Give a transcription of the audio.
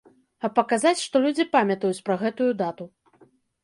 А паказаць, што людзі памятаюць пра гэтую дату.